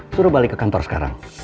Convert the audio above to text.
suruh balik ke kantor sekarang